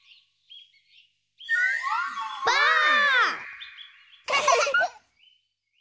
ばあっ！